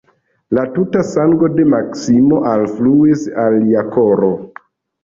La tuta sango de Maksimo alfluis al lia koro.